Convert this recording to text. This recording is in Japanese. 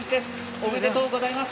ありがとうございます。